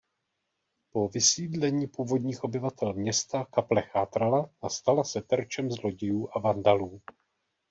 Po vysídlení původních obyvatel města kaple chátrala a stala se terčem zlodějů a vandalů.